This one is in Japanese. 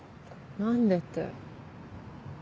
何でって。